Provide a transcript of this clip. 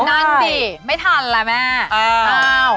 นั่นสิไม่ทันแล้วแม่อ้าว